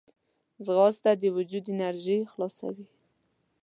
ځغاسته د وجود انرژي خلاصوي